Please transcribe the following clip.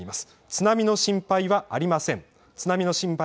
津波の心配はありません。